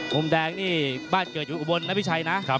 มุมแดงนี่บ้านเกิดอยู่อุบลนะพี่ชัยนะ